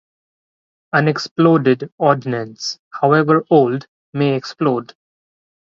Unexploded ordnance, however old, may explode.